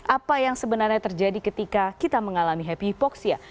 apa yang sebenarnya terjadi ketika kita mengalami happy hypoxia